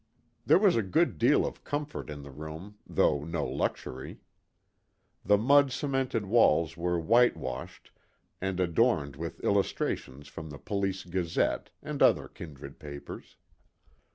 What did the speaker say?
There was a good deal of comfort in the room, though no luxury. The mud cemented walls were whitewashed and adorned with illustrations from the Police Gazette, and other kindred papers.